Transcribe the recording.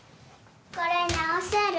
これ直せる？